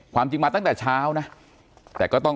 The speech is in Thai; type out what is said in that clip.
การแก้เคล็ดบางอย่างแค่นั้นเอง